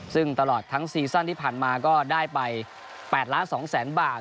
ซึ่งตลอดทั้งซีซั่นที่ผ่านมาก็ได้ไป๘๒๐๐๐๐บาท